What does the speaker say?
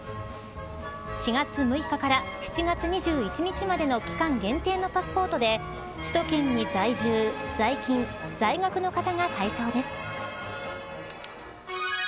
４月６日から７月２１日までの期間限定のパスポートで首都圏に在住、在勤、在学の方が対象です。